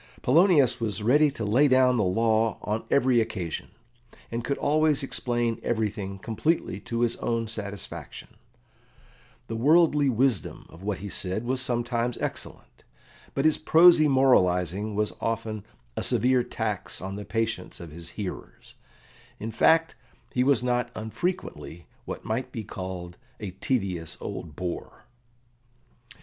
Polonius was ready to lay down the law on every occasion, and could always explain everything completely to his own satisfaction; the worldly wisdom of what he said was sometimes excellent, but his prosy moralising was often a severe tax on the patience of his hearers; in fact, he was not unfrequently what might be called "a tedious old bore."